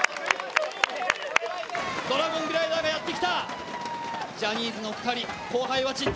ドラゴングライダーがやってきた、ジャニーズの２人、後輩は散った。